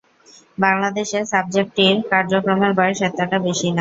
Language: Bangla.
বাংলাদেশে এ সাবজেক্টটির কার্যক্রমের বয়স এতটা বেশি না।